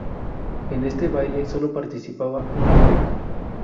En este baile solo participaba una pareja.